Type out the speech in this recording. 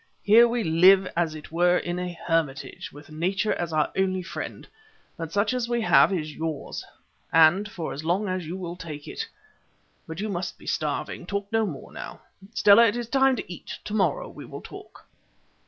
Here we live as it were in a hermitage, with Nature as our only friend, but such as we have is yours, and for as long as you will take it. But you must be starving; talk no more now. Stella, it is time to eat. To morrow we will talk."